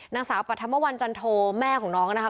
นางสาวปัทธัมวันจันโทแม่ของน้องนะคะ